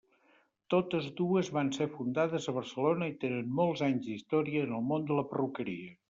Totes dues van ser fundades a Barcelona i tenen molts anys d'història en el món de la perruqueria.